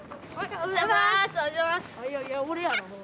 おはようございます。